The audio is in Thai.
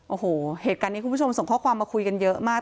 โอ้โหเหตุการณ์นี้คุณผู้ชมส่งข้อความมาคุยกันเยอะมาก